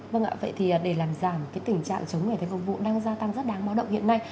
vâng ạ vậy thì để làm giảm cái tình trạng chống người thấy công vụ đang gia tăng rất đáng báo động hiện nay